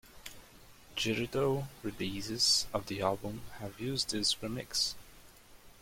Digital releases of the album have used this remix.